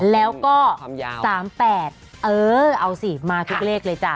แล้วก็๓๘เออเอาสิมาทุกเลขเลยจ้ะ